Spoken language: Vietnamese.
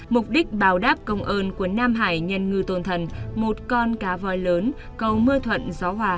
mục đích bào đáp công ơn của nam hải nhân ngư tôn thần một con cá voi lớn cầu mưa thuận gió hòa